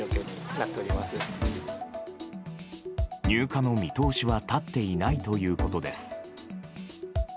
入荷の見通しは立っていないということです。